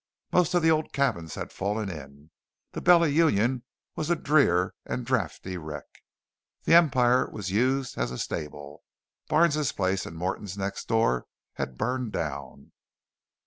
Most of the old cabins had fallen in. The Bella Union was a drear and draughty wreck. The Empire was used as a stable. Barnes's place and Morton's next door had burned down.